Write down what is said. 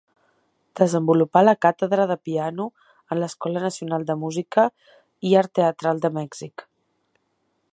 Desenvolupà la càtedra de piano en l'escola nacional de música i art teatral de Mèxic.